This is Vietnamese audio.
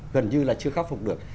gần như là chưa khắc phục được